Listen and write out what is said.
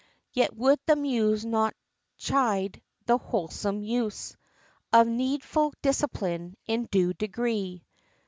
Yet would the Muse not chide the wholesome use Of needful discipline, in due degree.